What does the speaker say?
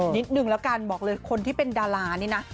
นิดนึงแล้วกันบอกเลยคนที่เป็นดารานี่นะ